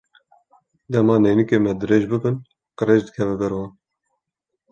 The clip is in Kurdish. Dema neynûkên me dirêj bibin, qirêj dikeve ber wan.